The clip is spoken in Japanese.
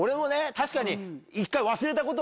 確かに。